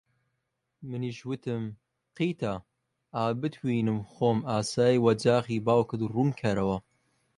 منیش وتم: قیتە! ئا بتوینم خۆم ئاسایی وەجاخی باوکت ڕوون کەرەوە